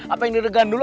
apa yang diregan dulu